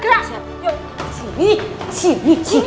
kamu dimana andin